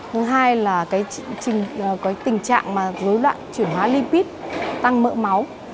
thứ hai là tình trạng dối loạn chuyển hóa lipid tăng mỡ máu